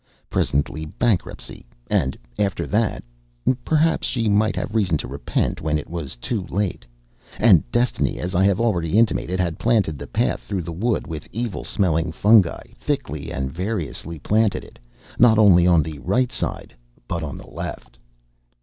Presently bankruptcy, and after that Perhaps she might have reason to repent when it was too late. And destiny, as I have already intimated, had planted the path through the wood with evil smelling fungi, thickly and variously planted it, not only on the right side, but on the left.